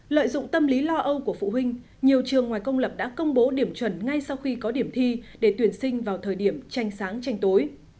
lợi dụng tâm lý lo âu của phụ huynh nhiều trường ngoài công lập đã công bố điểm chuẩn ngay sau khi có điểm thi để tuyển sinh vào thời điểm tranh sáng tranh tối